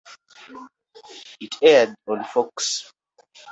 It aired on Fox.